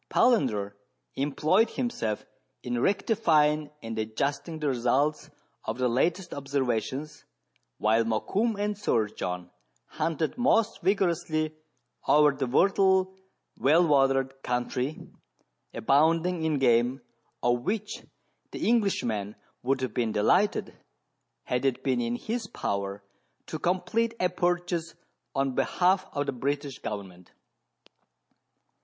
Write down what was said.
Palander employed himself in rectifying and adjusting the results of the latest observations, while Mokoum and Sir John hunted most vigorously over the fertile, well watered country, abounding in game, of which the Englishman would have been delighted, had it been in his power, to complete a purchase on behalf of the British government.